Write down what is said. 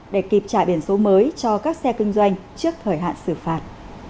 để kịp trả biển số mới cho các xe kinh doanh trước thời hạn xử phạt